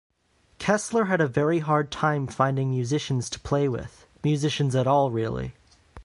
Kessler had a very hard time finding musicians to play with-musicians at all, really.